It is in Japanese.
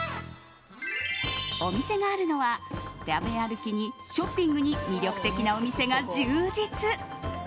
お店があるのは食べ歩きにショッピングに魅力的なお店が充実